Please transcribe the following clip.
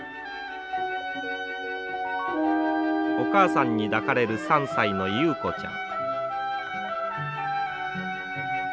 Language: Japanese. お母さんに抱かれる３歳のゆうこちゃん。